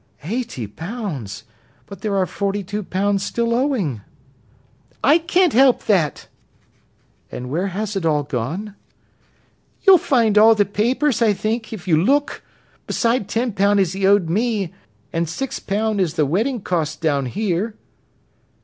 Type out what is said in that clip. "Eighty pounds! But there are forty two pounds still owing!" "I can't help that." "But where has it all gone?" "You'll find all the papers, I think, if you look—beside ten pound as he owed me, an' six pound as the wedding cost down here."